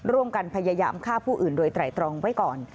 ร่วมกันพยายามฆ่าผู้อื่นโดยไตรตรองไว้ก่อน